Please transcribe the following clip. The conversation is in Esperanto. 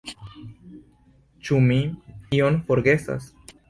Ĉu mi ion forgesas?